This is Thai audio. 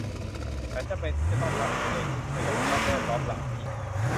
ฉันจำเป็นที่จะทำตัวเองให้คุ้นเคยกับสภาพแวดล้อมเหล่านี้